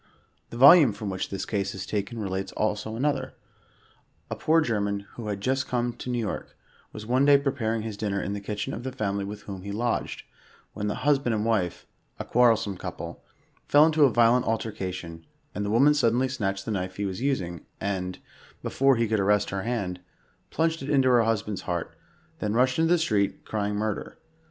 The volume from which this case is taken relates also another. A poor German, who had just come to New York, was one day preparing his dinner in the kitchen of the family with whom he lodged, when the hus band and wife — a quarrelsome couple — fell into a violent alter cation, and the woman suddenly snatched the knife he was using, and, before he could arrest her hand, plunged it into her husband's heart, then rushed into the street, crying murder.